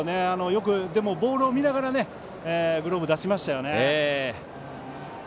よくボールを見ながらグローブを出しましたよね。